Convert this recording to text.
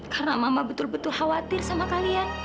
karena mama betul betul khawatir sama kalian